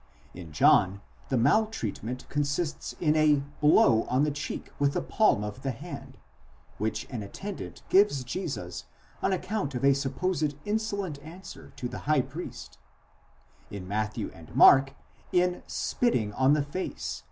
® In John the maltreatment consists in a blow on the cheek with the palm of the hand, ῥάπισμα, which an attendant gives Jesus on account of a supposed insolent answer to the high priest ; in Matthew and Mark, in spitting on the face (ἐνέπτυσαν εἰς.